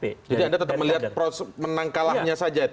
jadi anda tetap melihat menang kalahnya saja itu